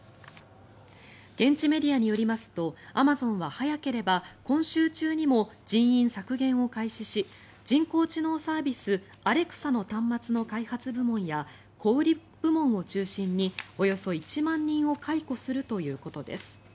現地メディアによりますとアマゾンは早ければ今週中にも人員削減を開始し人工知能サービス、アレクサの端末の開発部門や小売り部門を中心におよそ１万人を解雇するということです。